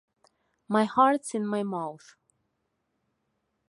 My heart's in my mouth.